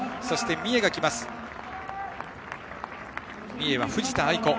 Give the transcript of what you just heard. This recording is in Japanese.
三重は藤田愛子。